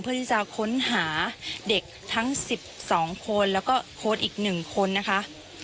เพื่อที่จะค้นหาเด็กทั้ง๑๒คนแล้วก็โค้ดอีก๑คนนะคะ